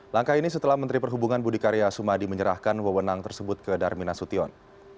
langkah ini setelah menteri perhubungan budi karya sumadi menyerahkan wewenang tersebut ke darmin nasution